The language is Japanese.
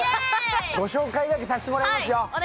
ご紹介だけさせていただきますよ。